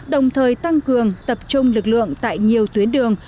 đồng thời tăng cường tập trung lực lượng tại nhiều tuyến đường